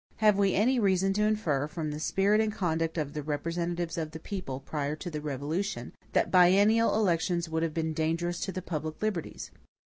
Have we any reason to infer, from the spirit and conduct of the representatives of the people, prior to the Revolution, that biennial elections would have been dangerous to the public liberties?